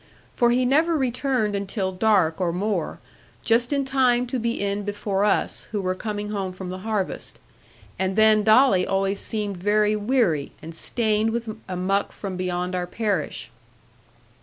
For he never returned until dark or more, just in time to be in before us, who were coming home from the harvest. And then Dolly always seemed very weary, and stained with a muck from beyond our parish.